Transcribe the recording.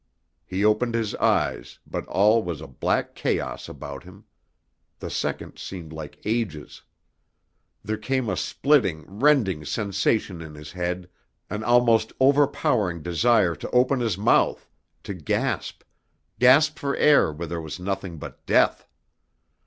He opened his eyes but all was a black chaos about him. The seconds seemed like ages. There came a splitting, rending sensation in his head, an almost overpowering desire to open his mouth, to gasp, gasp for air where there was nothing but death!